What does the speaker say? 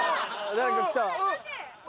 誰か来た。